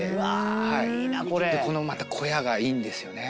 このまた小屋がいいんですよね。